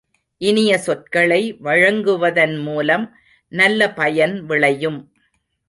இனிய சொற்களை வழங்குவதன் மூலம் நல்ல பயன் விளையும்.